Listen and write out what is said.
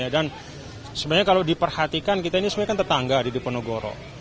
dan sebenarnya kalau diperhatikan kita ini sebenarnya kan tetangga di diponegoro